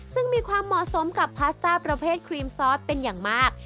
ซึ่งมีความเหมาะสมกับพาสต้าประเภทครีมซอสเป็นอย่างมาก